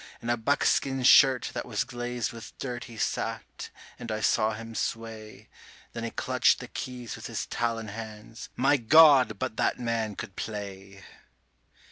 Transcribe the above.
In a buckskin shirt that was glazed with dirt he sat, and I saw him sway; Then he clutched the keys with his talon hands my God! but that man could play.